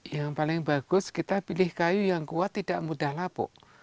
yang paling bagus kita pilih kayu yang kuat tidak mudah lapuk